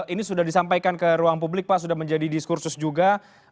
ini sudah disampaikan ke ruang publik pak sudah menjadi diskursus juga